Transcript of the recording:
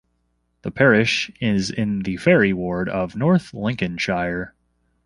The parish is in the Ferry ward of North Lincolnshire.